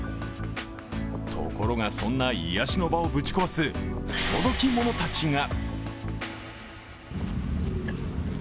ところがそんな癒やしの場をぶち壊す不届き者たちが。